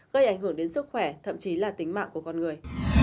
gây ảnh hưởng đến sức khỏe thậm chí là tính mạng của con người